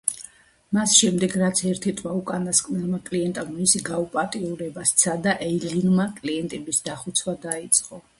მას შემდეგ, რაც ერთ-ერთმა უკანასკნელმა კლიენტმა მისი გაუპატიურება სცადა, ეილინმა კლიენტების დახოცვა დაიწყო.